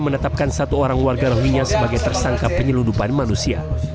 menetapkan satu orang warga rohinya sebagai tersangka penyeludupan manusia